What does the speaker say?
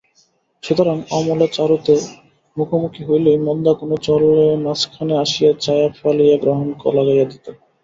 সুতরাং অমলে চারুতে মুখোমুখি হইলেই মন্দা কোনো ছলেমাঝখানে আসিয়া ছায়া ফেলিয়া গ্রহণ লাগাইয়া দিত।